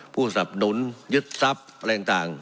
ผู้สำนุนยึดทรัพย์อะไรต่าง